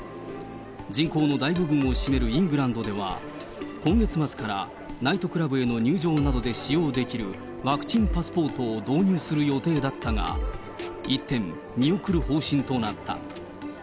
人口の大部分を占めるイングランドでは、今月末からナイトクラブへの入場などで使用できるワクチンパスポートを導入する予定だったが、一転、見送る方針となった。